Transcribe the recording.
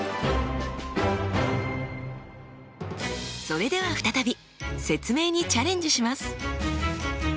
それでは再び説明にチャレンジします！